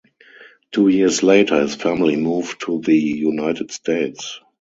Two years later his family moved to the United States.